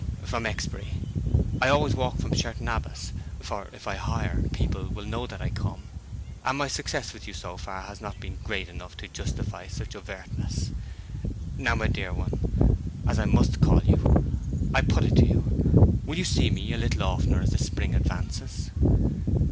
"From Exbury. I always walk from Sherton Abbas, for if I hire, people will know that I come; and my success with you so far has not been great enough to justify such overtness. Now, my dear one—as I must call you—I put it to you: will you see me a little oftener as the spring advances?"